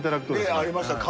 ありました顔。